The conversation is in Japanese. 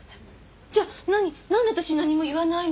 じゃあなんで私に何も言わないの？